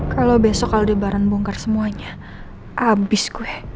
kalau besok aldebaran bongkar semuanya abis gue